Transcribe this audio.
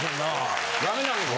ダメなのか？